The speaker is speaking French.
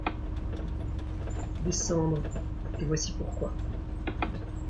························« Descendre, et voici pourquoi.